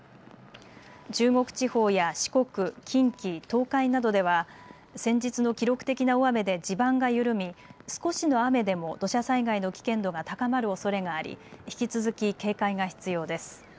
中国地方や四国、近畿、東海などでは先日の記録的な大雨で地盤が緩み少しの雨でも土砂災害の危険度が高まるおそれがあり引き続き警戒が必要です。